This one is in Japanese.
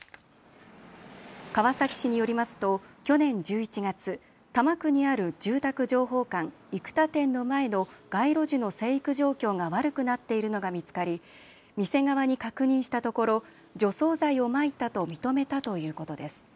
川崎市によりますと去年１１月、多摩区にある住宅情報館生田店の前の街路樹の生育状況が悪くなっているのが見つかり店側に確認したところ除草剤をまいたと認めたということです。